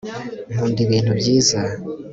Nkunda ibintu byiza